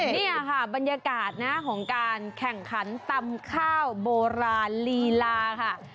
นี่ค่ะบรรยากาศนะของการแข่งขันตำข้าวโบราณลีลาค่ะ